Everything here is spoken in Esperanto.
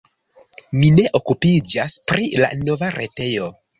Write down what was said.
Mi ne okupiĝas pri la nova retejo.